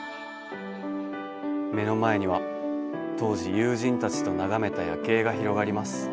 目の前には、当時、友人たちと眺めた夜景が広がります。